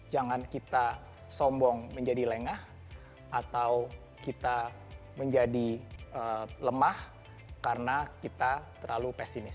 jangan kita sombong menjadi lengah atau kita menjadi lemah karena kita terlalu pesimis